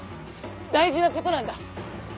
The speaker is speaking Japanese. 大事なことなんだ。